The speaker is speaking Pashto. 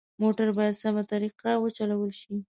موټر باید سمه طریقه وچلول شي.